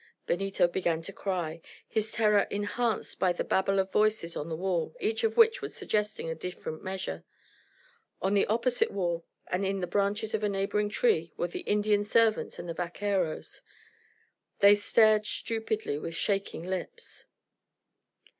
Benito began to cry, his terror enhanced by the babel of voices on the wall, each of which was suggesting a different measure. On the opposite wall and in the branches of a neighbouring tree were the Indian servants and the vaqueros. They stared stupidly, with shaking lips.